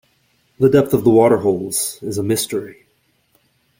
The depth of the waterholes is a mystery.